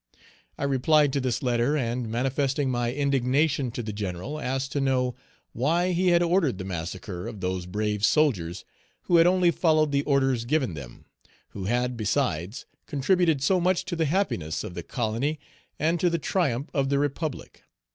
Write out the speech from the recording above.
I replied to this letter, and, manifesting my indignation to the general, asked to know, "Why he had ordered the massacre of those brave soldiers who had only followed the orders given them; who had, besides, contributed so much to the happiness of the colony and to the triumph of the Republic.